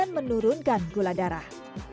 menurunkan gula darah